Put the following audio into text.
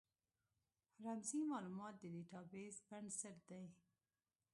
رمزي مالومات د ډیټا بیس بنسټ دی.